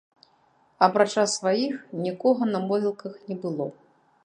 Апрача сваіх, нікога на могілках не было.